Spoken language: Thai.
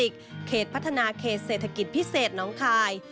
เขตพัฒนาเขตเศรษฐกิจพิเศษน้องคาย